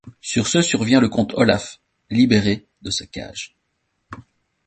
Sur ce survient le comte Olaf, libéré de sa cage.